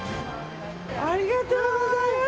ありがとうございます。